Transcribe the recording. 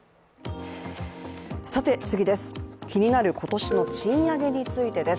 気になる今年の賃上げについてです。